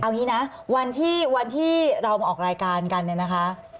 เอางี้นะวันที่วันที่เรามาออกรายการกันเนี่ยนะคะ